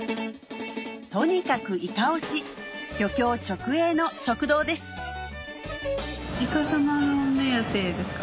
とにかくイカ推し漁協直営の食堂ですいか様丼目当てですか？